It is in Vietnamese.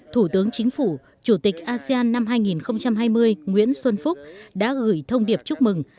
thủ tướng chính phủ chủ tịch asean năm hai nghìn hai mươi nguyễn xuân phúc đã gửi thông điệp chúc mừng